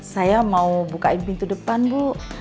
saya mau bukain pintu depan bu